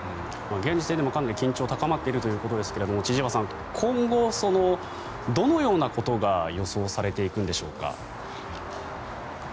現時点でも、かなり緊張が高まっているということですが今後、どのようなことが予想されていくんでしょうか。